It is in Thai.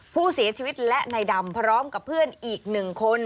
ผู้เสียชีวิตและนายดำพร้อมกับเพื่อนอีก๑คน